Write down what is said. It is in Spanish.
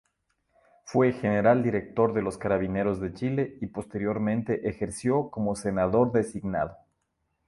Fue General Director de Carabineros de Chile y posteriormente ejerció como senador designado.